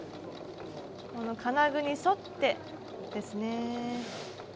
この金具に沿ってですね。